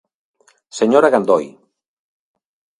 Señora Gandoi.